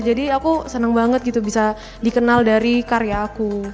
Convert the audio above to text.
jadi aku seneng banget gitu bisa dikenal dari karya aku